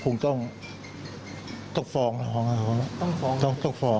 ก็คงต้องฟ้องต้องฟ้องต้องฟ้อง